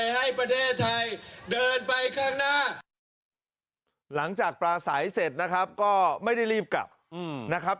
หลังจากปลาสายเสร็จนะครับก็ไม่ได้รีบกลับนะครับ